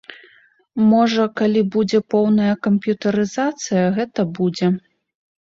Можа, калі будзе поўная камп'ютарызацыя, гэта будзе.